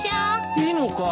いいのかい？